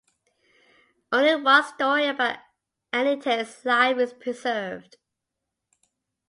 Only one story about Anyte's life is preserved.